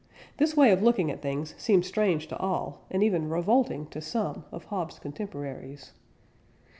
This way of looking at things seemed strange to all, and even revolting to some, of Hobbes' contemporaries.